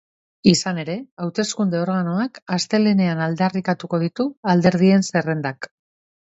Izan ere, hauteskunde organoak astelehenean aldarrikatuko ditu alderdien zerrendak.